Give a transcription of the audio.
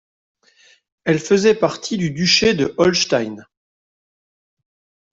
Elle faisait partie du duché de Holstein.